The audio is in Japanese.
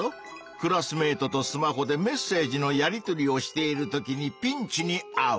クラスメートとスマホでメッセージのやりとりをしているときにピンチにあう！